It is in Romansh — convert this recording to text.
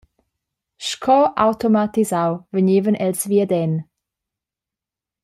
Sco automatisau vegnevan els viaden.